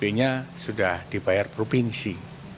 bp nya sudah dibayar provinsi